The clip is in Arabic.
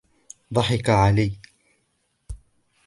ضحك عليّ.